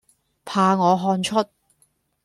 怕我看出，